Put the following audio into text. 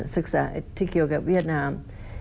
ศึกษาที่เกี่ยวกับเวียดนาม